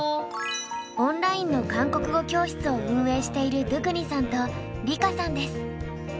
オンラインの韓国語教室を運営しているドゥクニさんと梨花さんです。